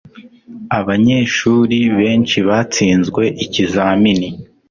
Abanyeshuri benshi batsinzwe ikizamini.